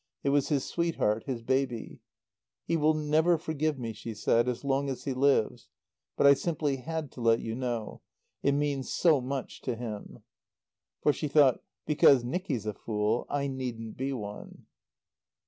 It was his sweetheart, his baby. "He will never forgive me," she said, "as long as he lives. But I simply had to let you know. It means so much to him." For she thought, "Because Nicky's a fool, I needn't be one."